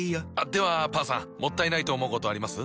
ではパンさんもったいないと思うことあります？